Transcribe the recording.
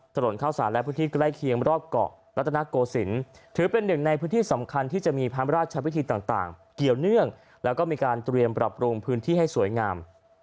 ถนนข้าวสารและพื้นที่ใกล้เคียงรอบเกาะรัตนโกศิลป์ถือเป็นหนึ่งในพื้นที่สำคัญที่จะมีพระราชพิธีต่างเกี่ยวเนื่องแล้วก็มีการเตรียมปรับปรุงพื้นที่ให้สวยงาม